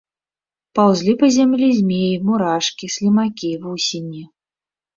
Паўзлі па зямлі змеі, мурашкі, слімакі, вусені.